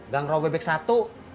gang rawat bebek satu